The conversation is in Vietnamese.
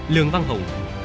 lường văn hùng